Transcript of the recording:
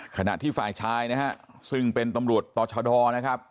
ขณะที่ฝ่ายชายนะฮะซึ่งเป็นตำรวจต่อชดนะครับ